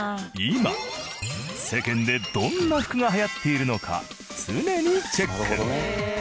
今世間でどんな服が流行っているのか常にチェック。